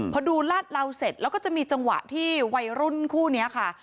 พอดูลาดเหลาเสร็จแล้วก็จะมีจังหวะที่วัยรุ่นคู่นี้ค่ะ